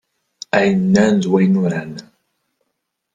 Ay nnan d wayen uran.